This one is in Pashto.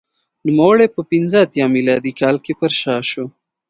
نوموړی په پنځه اتیا میلادي کال کې پرشا شو